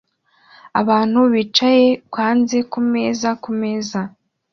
Abantu bicaye hanze kumeza kumeza